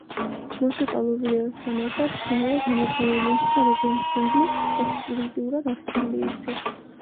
მუსიკალურ ვიდეოსთან ერთად, სიმღერა გამოცემული იქნა როგორც სინგლი ექსკლუზიურად ავსტრალიისთვის.